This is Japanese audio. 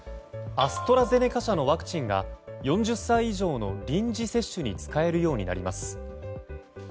アストラゼネカ社のワクチンが４０歳以上の臨時接種に使えるようになります。